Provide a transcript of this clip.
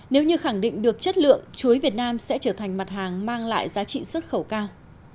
nếu như khẳng định được chất lượng chuối việt nam sẽ trở thành mặt hàng mang lại giá trị xuất khẩu cao